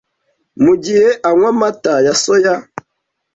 mu gihe anywa amata ya soya,